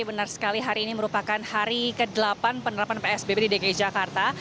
benar sekali hari ini merupakan hari ke delapan penerapan psbb di dki jakarta